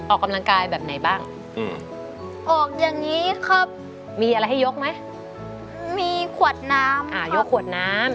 ออกกำลังกายแบบไหนบ้างอืมออกอย่างงี้ครับมีอะไรให้ยกไหมมีขวดน้ำอ่ายกขวดน้ำ